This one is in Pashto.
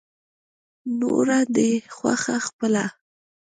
نوره دې خوښه خپله.